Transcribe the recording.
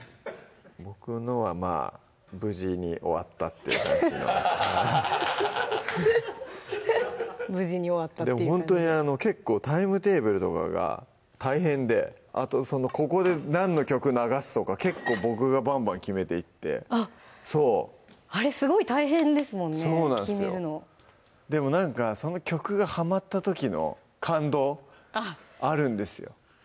僕のはまぁ無事に終わったっていう感じの無事に終わったっていうでもほんとに結構タイムテーブルとかが大変であとここで何の曲流すとか結構僕がバンバン決めていってあれすごい大変ですもんね決めるのでもなんかその曲がはまった時の感動あるんですよ